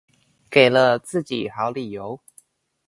給了自己好理由